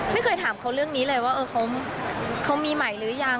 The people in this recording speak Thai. ไม่เคยถามเขาเรื่องนี้เลยว่าเขามีใหม่หรือยัง